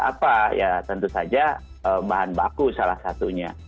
apa ya tentu saja bahan baku salah satunya